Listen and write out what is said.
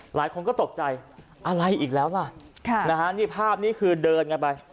หลายคนก็ตกใจอะไรอีกแล้วล่ะนี่ภาพนี้คือเดินกันไป